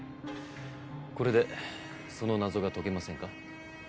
これでその謎が解けませんか？